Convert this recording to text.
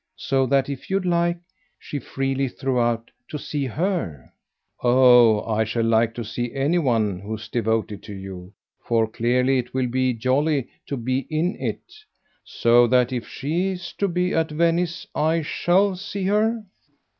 So that if you'd like," she freely threw out, "to see HER " "Oh I shall like to see any one who's devoted to you, for clearly it will be jolly to be 'in' it. So that if she's to be at Venice I SHALL see her?"